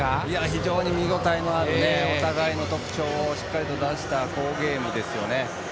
非常に見応えのあるお互いの特徴をしっかり出した好ゲームですね。